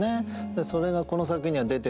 それがこの作品には出てて。